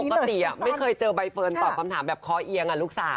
ปกติไม่เคยเจอใบเฟิร์นตอบคำถามแบบคอเอียงลูกสาว